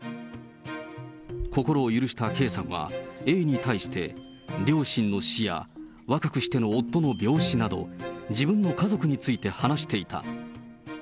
心を許したＫさんは、Ａに対して両親の死や、若くしての夫の病死など、自分の家族について話していた。